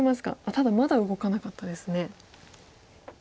ただまだ動かなかったですね。